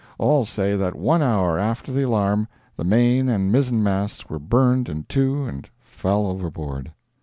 All say that one hour after the alarm, the main and mizzenmasts were burned in two and fell overboard.